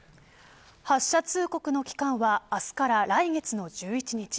発射する国の機関は明日から来月の１１日